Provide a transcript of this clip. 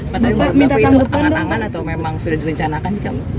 berarti itu angan angan atau memang sudah direncanakan sih kamu